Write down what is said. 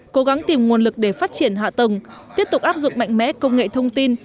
cố gắng tìm nguồn lực để phát triển hạ tầng tiếp tục áp dụng mạnh mẽ công nghệ thông tin